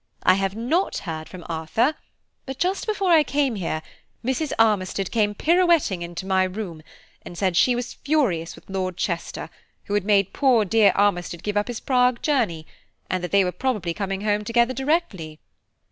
I have not heard from Arthur; but just before I came here, Mrs. Armistead came pirouetting into my room, and said she was furious with Lord Chester, who had made poor dear Armistead give up his Prague journey, and that they were probably coming home together directly.